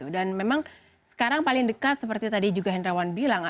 dan memang sekarang paling dekat seperti tadi juga hendrawan bilang